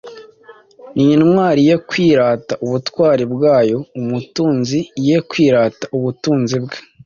n’intwari ye kwirata ubutwari bwayo, umutunzi ye kwirata ubutunzi bwe;